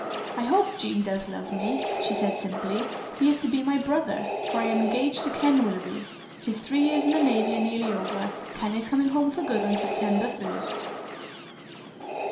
"I hope Jean does love me," she said simply. "He is to be my brother, for I am engaged to Ken Willoughby. His three years in the navy are nearly over. Ken is coming home for good on September first."